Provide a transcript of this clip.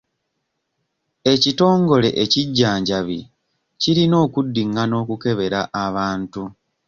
Ekitongole ekijjanjambi kirina okuddingana okukebera abantu.